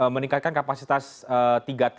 meningkatkan kapasitas tiga t